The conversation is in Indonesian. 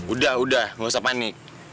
udah udah gak usah panik